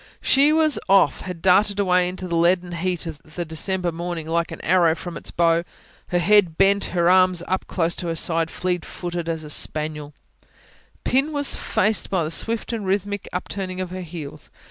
She was off, had darted away into the leaden heat of the December morning, like an arrow from its bow, her head bent, her arms close to her sides, fleet footed as a spaniel: Pin was faced by the swift and rhythmic upturning of her heels.